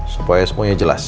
supaya semuanya jelas